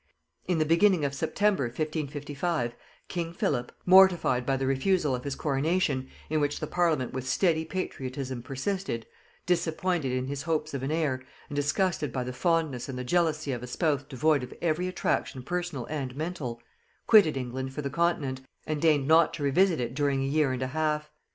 In the beginning of September 1555 king Philip, mortified by the refusal of his coronation, in which the parliament with steady patriotism persisted; disappointed in his hopes of an heir; and disgusted by the fondness and the jealousy of a spouse devoid of every attraction personal and mental, quitted England for the continent, and deigned not to revisit it during a year and a half.